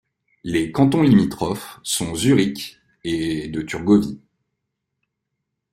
Les cantons limitrophes sont Zurich et de Thurgovie.